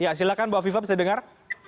ya silakan bu afifah bisa dengar